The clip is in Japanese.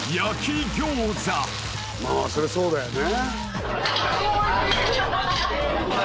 そりゃそうだよね。